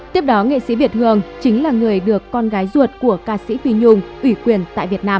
tiếp đó nghệ sĩ việt hương chính là người được con gái ruột của ca sĩ phi nhung ủy quyền tại việt nam